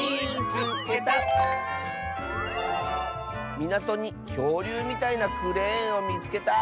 「みなとにきょうりゅうみたいなクレーンをみつけた！」。